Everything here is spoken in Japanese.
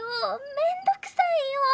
めんどくさいよぉ！